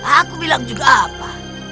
aku bilang juga apa